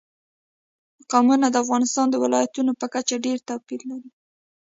قومونه د افغانستان د ولایاتو په کچه ډېر توپیر لري.